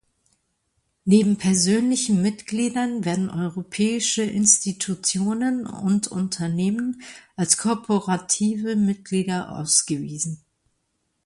Neben persönlichen Mitgliedern werden europäische Institutionen und Unternehmen als korporative Mitglieder ausgewiesen.